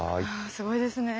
すごいですねぇ。